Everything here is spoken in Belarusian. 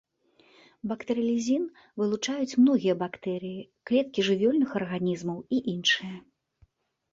Бактэрыялізін вылучаюць многія бактэрыі, клеткі жывёльных арганізмаў і іншыя.